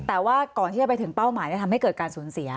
แต่ว่าก่อนที่จะไปถึงเป้าหมายทำให้เกิดการสูญเสีย